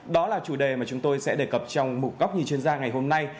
đó là chủ đề mà chúng tôi sẽ đề cập trong mục góc nhìn chuyên gia ngày hôm nay